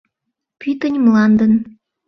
Пӱтынь мландын?